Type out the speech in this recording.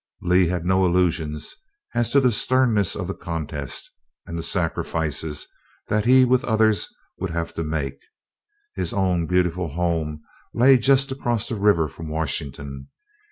Lee had no illusions as to the sternness of the contest, and the sacrifices that he with all others would have to make. His own beautiful home lay just across the river from Washington.